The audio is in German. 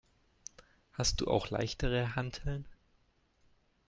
Hast du auch leichtere Hanteln?